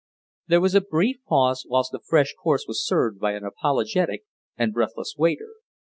There was a brief pause whilst a fresh course was served by an apologetic and breathless waiter.